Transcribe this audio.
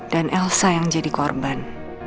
dan elsa yang jadi korban